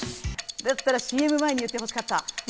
だったらＣＭ前に言ってほしかった。